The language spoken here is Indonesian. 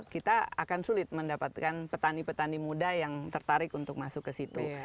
kita akan sulit mendapatkan petani petani muda yang tertarik untuk masuk ke situ